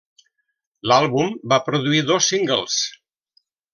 L'àlbum va produir dos singles.